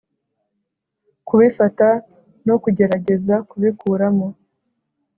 Kubifata no kugerageza kubikuramo